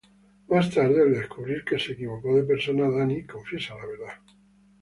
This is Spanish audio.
Más tarde al descubrir que se equivocó de persona, Dani confiesa la verdad.